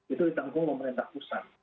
itu ditanggung pemerintah pusat